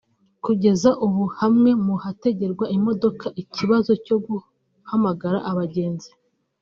Kugeza ubu hamwe mu hategerwa imodoka iki kibazo cyo guhamagara abagenzi